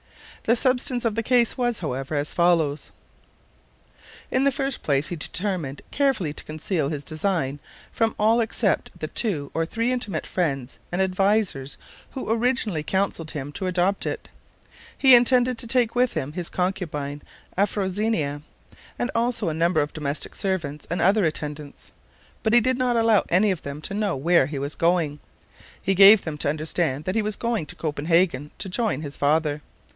The substance of the case was, however, as follows: In the first place, he determined carefully to conceal his design from all except the two or three intimate friends and advisers who originally counseled him to adopt it. He intended to take with him his concubine Afrosinia, and also a number of domestic servants and other attendants, but he did not allow any of them to know where he was going. He gave them to understand that he was going to Copenhagen to join his father.